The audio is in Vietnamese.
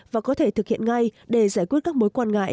và có thể thực hiện ngay để giải quyết các mối quan ngại